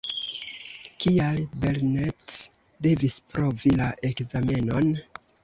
Kial Belnett devis provi la ekzamenon?